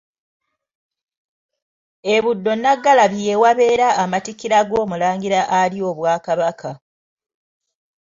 E Buddo Nnaggalabi ye wabeera amatikkira g'Omulangira alya obwa Kabaka.